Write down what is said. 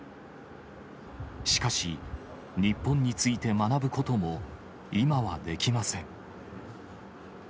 しかし、日本について学ぶことも今はできません。